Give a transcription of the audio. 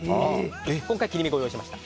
今回、切り身をご用意しました。